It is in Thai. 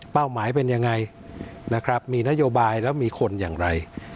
เป้าหมายเป็นอย่างไรมีนโยบายแล้วมีคนอย่างไร